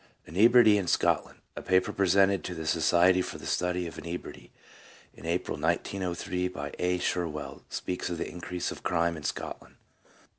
" Inebriety in Scotland," a paper presented to the Society for the Study of Inebriety, in April 1903, by A. Sherwell, speaks of the increase of crime in Scotland.